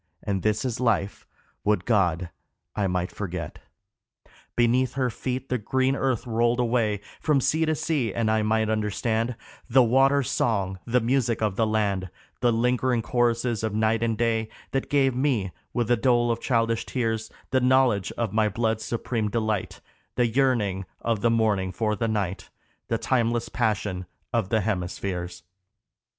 And this is life would God I might forget ! Beneath her feet the green earth rolled away From sea to sea, and I might understand The water's song, the music of the land, The lingering choruses of night and day, 58 LAMENT FOR LILIAN That gave me, with a dole of childish tears, The knowledge of my blood's supreme delight : The yearning of the morning for the night, The timeless passion of the hemispheres.